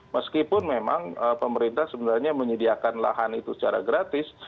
meskipun memang pemerintah sebenarnya menyediakan lahan itu secara gratis